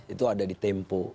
itu ada di tempo